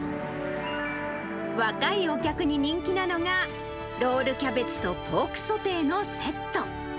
若いお客に人気なのが、ロールキャベツとポークソテーのセット。